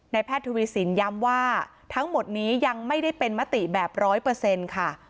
แพทย์ทวีสินย้ำว่าทั้งหมดนี้ยังไม่ได้เป็นมติแบบร้อยเปอร์เซ็นต์ค่ะ